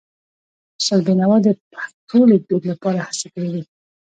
استاد بینوا د پښتو لیکدود لپاره هڅې کړې دي.